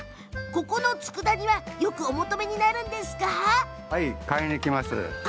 ここのつくだ煮はよくお求めになるんですか？